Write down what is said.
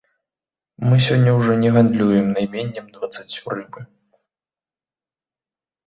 Мы сёння ўжо не гандлюем найменнем дваццаццю рыбы.